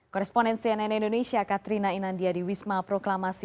koresponen cnn indonesia katrina inandia di wisma proklamasi